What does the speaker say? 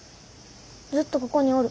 ずっとここにおる。